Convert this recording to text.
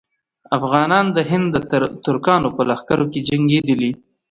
افغانان د هند د ترکانو په لښکرو کې جنګېدلي.